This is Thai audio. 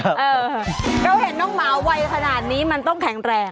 เราเห็นน้องหมาวัยขนาดนี้มันต้องแข็งแรง